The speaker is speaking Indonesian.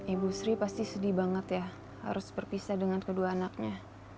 ibu sri pasti sedih banget ya harus berpisah dengan kedua anaknya